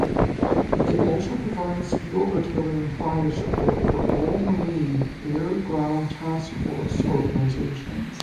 It also provides field artillery fire support for all Marine Air-Ground Task Force organizations.